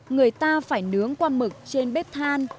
người ta phải nướng qua mực trên bếp than